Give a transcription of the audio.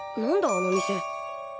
あの店。